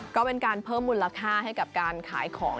ก็เป็นการเพิ่มมูลค่าให้กับการขายของ